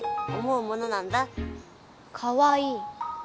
かわいい？